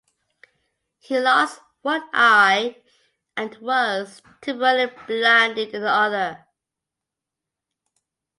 He lost one eye and was temporarily blinded in the other.